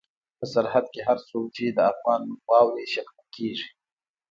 په سرحد کې هر څوک چې د افغان نوم واوري شکمن کېږي.